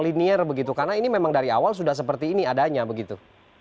linear begitu karena ini memang dari awal sudah seperti ini adanya begitu